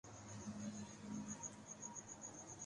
سوات کی ریاست نے پاکستان کے ساتھ الحاق کیا تھا ۔